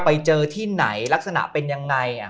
ไปเจอที่ไหนลักษณะเป็นยังไง